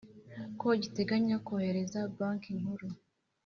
Ko giteganya koherereza banki nkuru